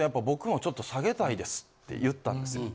僕もちょっと下げたいです」って言ったんです。